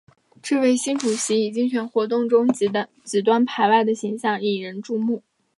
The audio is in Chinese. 这位新主席以竞选活动中极端排外的形象引人注目。